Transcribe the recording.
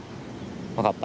分かった。